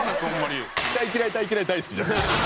「大嫌い」「大嫌い」「大好き」じゃないですか。